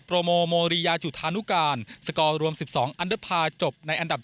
โปรโมโมรียาจุธานุการสกรวม๑๒อันดับ๗